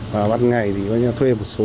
và bắt ngày thì thuê một số